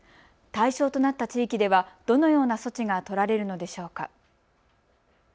対象となった地域ではどのような措置が取られるのでしょうか。